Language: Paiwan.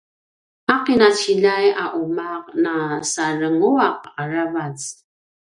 a qinaciljay a umaq na sarenguaq aravac